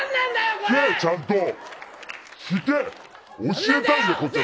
教えたいんだよ、こっちは。